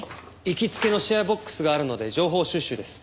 行きつけのシェアボックスがあるので情報収集です。